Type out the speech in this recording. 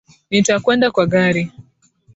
Nitakwenda kwa gari